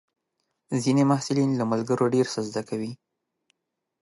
ځینې محصلین له ملګرو ډېر څه زده کوي.